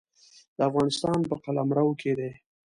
د افغانستان په قلمرو کې دی.